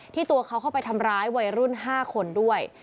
ตัวเขาเข้าไปทำร้ายวัยรุ่น๕คนด้วย